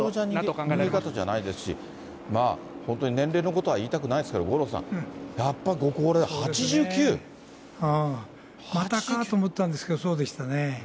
尋常な逃げ方じゃないですし、本当に年齢のことは言いたくないですけれども、五郎さん、やっぱまたかと思ったんですけど、そうでしたね。